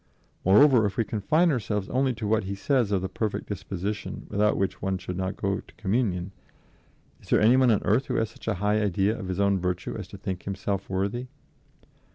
Moreover, if we confine ourselves only to what he says of the perfect disposition without which one should not go to Communion, is there anyone on earth who has such a high idea of his own virtue as to think himself worthy?